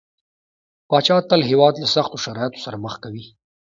پاچا تل هيواد له سختو شرايطو سره مخ کوي .